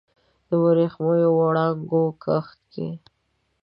د وریښمېو وړانګو کښت کې